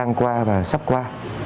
đang qua và sắp qua